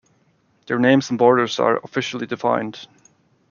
Their names and borders are officially defined.